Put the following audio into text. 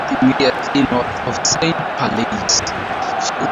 It is located immediately north of Saint-Palais.